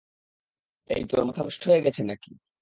এই তোর মাথা নষ্ট হয়ে গেছে নাকি?